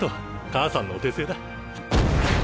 母さんのお手製だ。